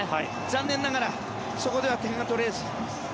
残念ながらそこでは点が取れず。